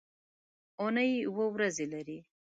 اونۍ اووه ورځې لري.